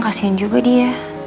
kasian juga dia